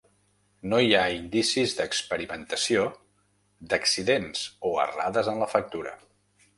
No hi ha indicis d'experimentació, d'accidents o errades en la factura.